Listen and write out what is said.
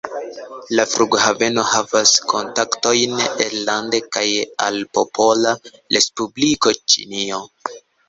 La flughaveno havas kontaktojn enlande kaj al Popola Respubliko Ĉinio.